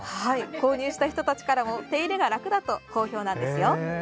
購入した人たちからも手入れが楽だと好評なんですよ。